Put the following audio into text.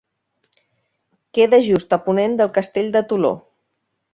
Queda just a ponent del Castell de Toló.